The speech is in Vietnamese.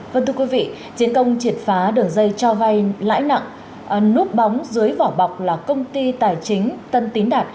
vâng thưa quý vị chiến công triệt phá đường dây cho vay lãi nặng núp bóng dưới vỏ bọc là công ty tài chính tân tín đạt